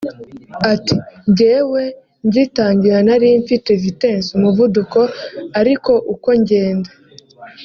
Ati “Jyewe ngitangira nari mfite vitesse (umuvuduko) ariko uko ngenda